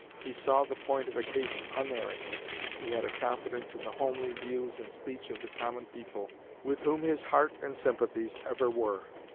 He saw the point of a case unerringly. He had a confidence in the homely views and speech of the common people, with whom his heart and sympathies ever were."